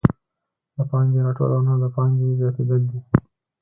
د پانګې راټولونه د پانګې زیاتېدل دي